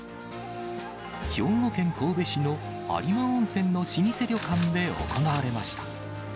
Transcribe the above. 兵庫県神戸市の有馬温泉の老舗旅館で行われました。